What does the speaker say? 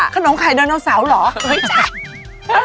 ขนมไข่โดนเจ้าหรือ